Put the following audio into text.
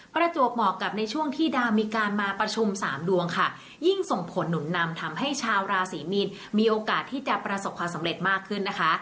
ประจวบเหมาะกับในช่วงที่ดาวมีการมาประชุมสามดวงค่ะยิ่งส่งผลหนุนนำทำให้ชาวราศีมีนมีโอกาสที่จะประสบความสำเร็จมากขึ้นนะคะ